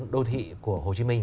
một mươi đô thị của hồ chí minh